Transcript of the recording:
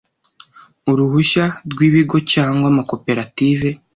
uruhushya rwi bigo cyangwa amakoperative